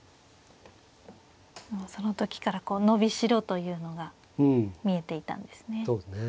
その時から伸びしろというのが見えていたんですね。